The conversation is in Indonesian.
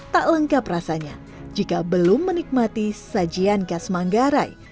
tak lengkap rasanya jika belum menikmati sajian khas manggarai